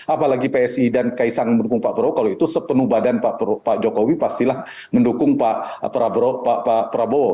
apalagi psi dan kaisang mendukung pak prabowo kalau itu sepenuh badan pak jokowi pastilah mendukung pak prabowo